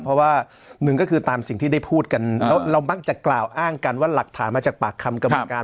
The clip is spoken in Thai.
เพราะว่าหนึ่งก็คือตามสิ่งที่ได้พูดกันแล้วเรามักจะกล่าวอ้างกันว่าหลักฐานมาจากปากคำกรรมการ